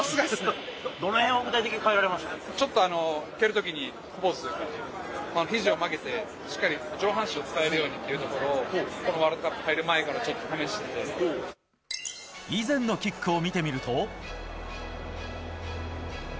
どのへんを具体的に変えられちょっと蹴るときのポーズ、ひじを曲げて、しっかり上半身を使えるようにっていうところをワールドカップ入以前のキックを見てみると。